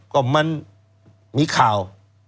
ก็มันมีข่าว